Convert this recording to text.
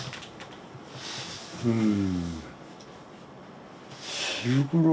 うん。